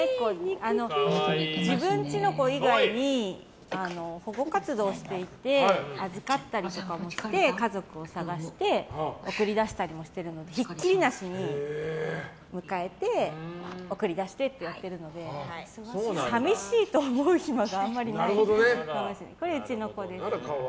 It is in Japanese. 自分ちの子以外に保護活動をしていて預かったりとかもして家族を探して送り出したりもしているのでひっきりなしに迎えて送り出してってやってるので寂しいと思う暇があんまりない。